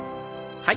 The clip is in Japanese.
はい。